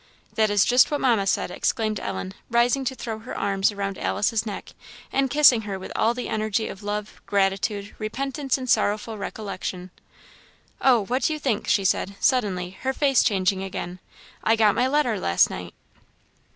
"That is just what Mamma said!" exclaimed Ellen, rising to throw her arms around Alice's neck, and kissing her with all the energy of love, gratitude, repentance, and sorrowful recollection. "Oh, what do you think!" she said, suddenly, her face changing again, "I got my letter last night!"